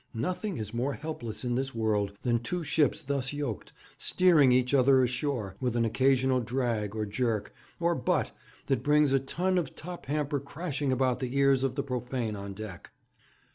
Nothing is more helpless in this world than two ships thus yoked, steering each other ashore, with an occasional drag, or jerk, or butt, that brings a ton of top hamper crashing about the ears of the profane on deck.